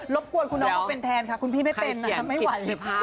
รบกวนคุณเอามาเป็นแทนค่ะคุณพี่ไม่เป็นน่ะทำไมให้หวัน